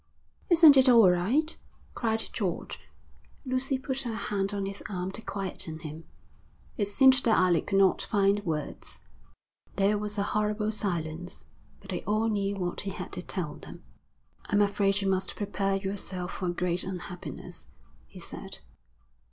'Isn't it all right?' cried George. Lucy put her hand on his arm to quieten him. It seemed that Alec could not find words. There was a horrible silence, but they all knew what he had to tell them. 'I'm afraid you must prepare yourself for a great unhappiness,' he said.